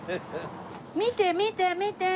見て見て見て！